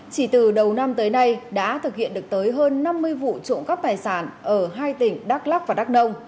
chỉ từ đầu năm tới nay đã thực hiện được tới hơn năm mươi vụ trộm cắp tài sản ở hai tỉnh đắk lắc và đắk nông